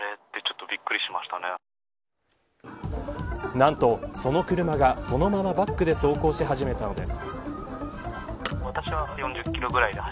何と、その車がそのままバックで走行し始めたのです。